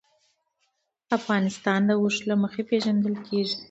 افغانستان د اوښ له مخې پېژندل کېږي.